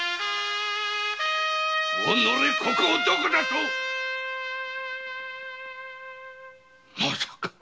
おのれっここをどことまさか！？